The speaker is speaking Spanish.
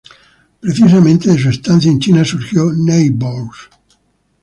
Precisamente, de su estancia en China surgió "Neighbours".